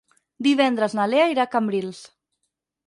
Divendres na Lea irà a Cambrils.